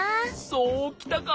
そうきたか！